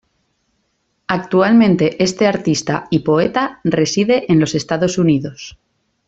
Actualmente este artista y poeta reside en los Estados Unidos.